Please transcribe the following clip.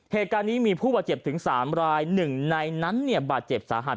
เหตุการณ์นี้มีผู้บาดเจ็บถึง๓รายหนึ่งในนั้นเนี่ยบาดเจ็บสาหัส